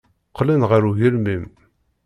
Qqlen ɣer ugelmim.